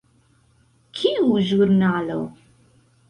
Kiu ĵurnalo?